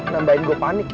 nambahin gue panik ya